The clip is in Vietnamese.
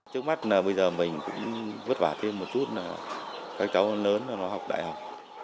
trước mắt bây giờ mình cũng vất vả thêm một chút các cháu lớn nó học đại học